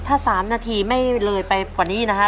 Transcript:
ถ้า๓นาทีไม่เลยไปกว่านี้นะฮะ